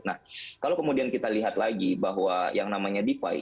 nah kalau kemudian kita lihat lagi bahwa yang namanya defi